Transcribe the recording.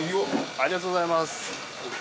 ありがとうございます。